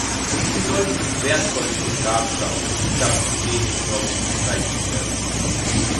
Sie sollte die wertvollste Grafschaft des gesamten dänisch-norwegischen Reiches werden.